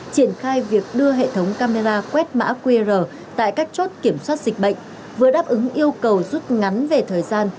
triển khai việc đưa hệ thống camera quét mã qr tại các chốt kiểm soát dịch bệnh vừa đáp ứng yêu cầu rút ngắn về thời gian